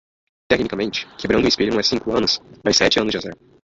Tecnicamente? quebrando um espelho não é cinco anos? mas sete anos de azar.